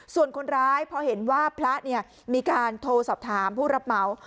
ส่วนคนร้ายพอเห็นว่าพระมีการโทรสอบถามผู้รับเหมา